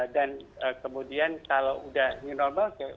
dan kemudian kalau udah new normal